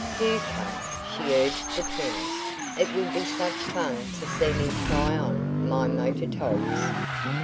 "Do come," she urged the twins: "It will be such fun to see me try on my motor togs."